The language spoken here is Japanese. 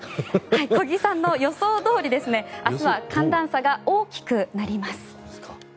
小木さんの予想どおり明日は寒暖差が大きくなります。